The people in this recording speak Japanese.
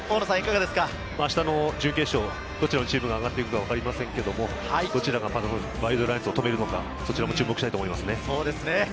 明日の準決勝、どちらのチームが上がってくるかわかりませんが、どちらがワイルドナイツを止めるのか注目したいと思います。